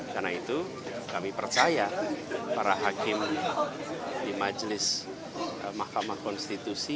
karena itu kami percaya para hakim di majelis mahkamah konstitusi